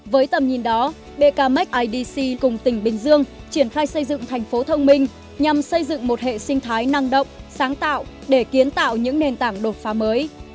với tầm nhìn đó bkmac idc cùng tỉnh bình dương triển khai xây dựng thành phố thông minh nhằm xây dựng một hệ sinh thái năng động sáng tạo để kiến tạo những nền tảng đột phá mới